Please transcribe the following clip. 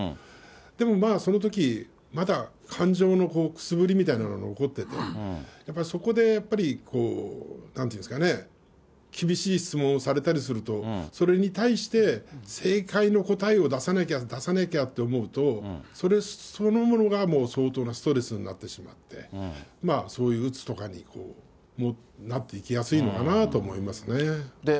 でもまあ、そのとき、まだ感情のくすぶりみたいなのは残ってて、やっぱりそこでやっぱり、なんていうんですかね、厳しい質問をされたりすると、それに対して正解の答えを出さなきゃ出さなきゃって思うと、それそのものが相当なストレスになってしまって、そういううつとかになっていきやすいのかなと思いますね。